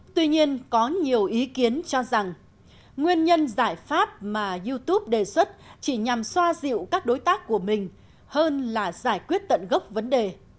tuy nhiên có nhiều ý kiến cho rằng nguyên nhân giải pháp mà youtube đề xuất chỉ nhằm xoa dịu các đối tác của mình hơn là giải quyết tận gốc vấn đề